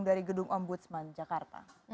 dari gedung ombudsman jakarta